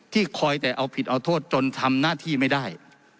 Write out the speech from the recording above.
คอยแต่เอาผิดเอาโทษจนทำหน้าที่ไม่ได้